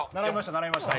並びました。